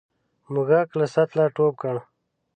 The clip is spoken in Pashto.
موږک له سطله ټوپ کړ.